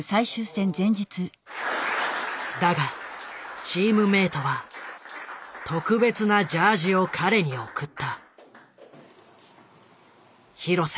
だがチームメートは特別なジャージを彼に贈った。